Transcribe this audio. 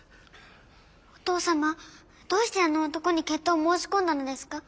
お父様どうしてあの男に決闘を申し込んだのですか？